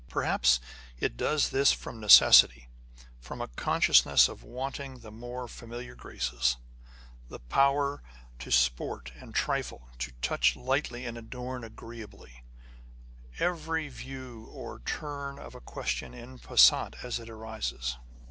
Perhaps it does this from necessity, from a consciousness of wanting the more familiar graces, the power to sport and trifle, to touch lightly and adorn agreeably, every view or turn of a question en passant, as it arises.